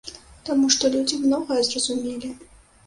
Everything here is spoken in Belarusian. Таму што людзі многае зразумелі.